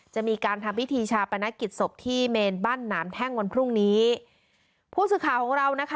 จะมีการทำพิธีชาปนกิจศพที่เมนบ้านหนามแท่งวันพรุ่งนี้ผู้สื่อข่าวของเรานะคะ